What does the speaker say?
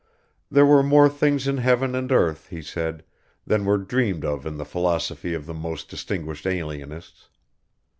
There were more things in heaven and earth, he said, than were dreamed of in the philosophy of the most distinguished alienists.